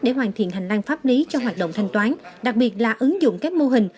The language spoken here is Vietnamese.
để hoàn thiện hành lang pháp lý cho hoạt động thanh toán đặc biệt là ứng dụng các mô hình